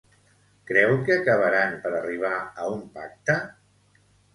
Creu que acabaran per arribar a un pacte?